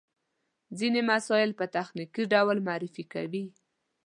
ځينې مسایل په تخنیکي ډول معرفي کوي.